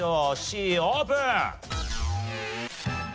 Ｃオープン。